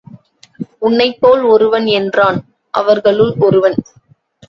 உன்னைப் போல் ஒருவன் என்றான் அவர்களுள் ஒருவன்.